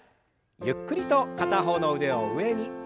ゆっくりと片方の腕を上に。